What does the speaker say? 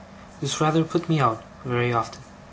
This rather put me out, very often.